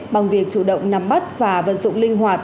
bằng việc chủ động nắm bắt và vận dụng linh hoạt